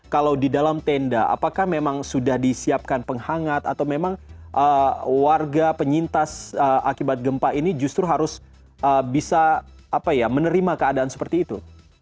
kalau di dalam tenda apakah memang sudah disiapkan penghangat atau memang warga penyintas akibat gempa ini justru harus bisa menerima keadaan seperti itu